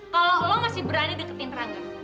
kalo lu masih berani deketin rangga